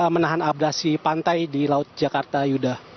menahan abrasi pantai di laut jakarta yuda